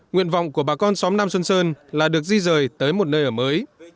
nguyện vọng của bà con xóm nam xuân sơn là được di rời tới một nơi ở mới